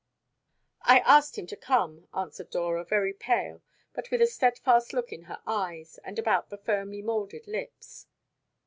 "I asked him to come," answered Dora, very pale, but with a steadfast look in her eyes, and about the firmly moulded lips.